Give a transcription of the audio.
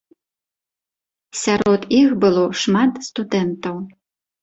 Сярод іх было шмат студэнтаў.